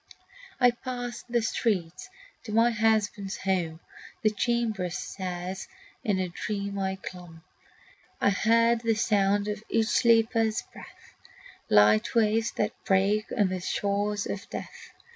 I passed the streets to my husband's home; The chamber stairs in a dream I clomb. I heard the sound of each sleeper's breath, Light waves that break on the shores of death.